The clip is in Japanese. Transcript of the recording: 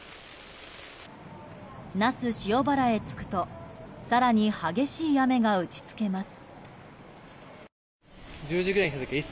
那須塩原へ着くと更に激しい雨が打ち付けます。